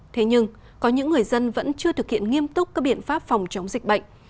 thế nhưng có những người dân vẫn chưa thực hiện nghiêm túc các biện pháp phòng chống dịch bệnh